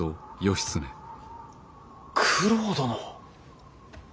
九郎殿。